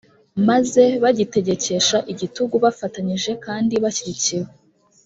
maze bagitegekesha igitugu bafatanyije kandi bashyigikiwe